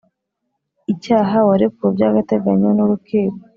icyaha warekuwe by agateganyo n urukiko